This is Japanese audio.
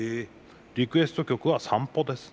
リクエスト曲は『さんぽ』です。